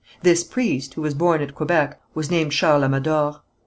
This priest, who was born at Quebec, was named Charles Amador.